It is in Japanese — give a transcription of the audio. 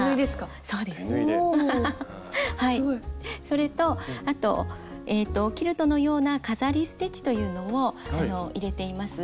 それとあとキルトのような飾りステッチというのも入れています。